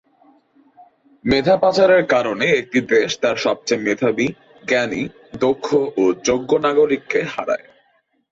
মেধা পাচারের কারণে একটি দেশ তার সবচেয়ে মেধাবী, জ্ঞানী, দক্ষ ও যোগ্য নাগরিককে হারায়।